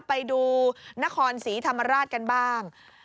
ไปดูนครศรีธรรมราชกันบ้าง